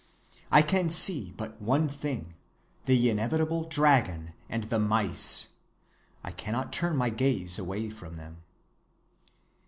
I can see but one thing: the inevitable dragon and the mice—I cannot turn my gaze away from them.